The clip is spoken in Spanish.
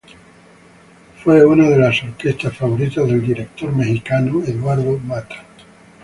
Fue una de las orquestas favoritas del director mexicano Eduardo Mata.